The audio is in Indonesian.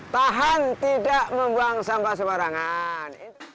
tahan tidak membuang sampah sembarangan